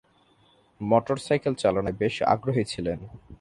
Motor cycle চালনায় বেশ আগ্রহী ছিলেন।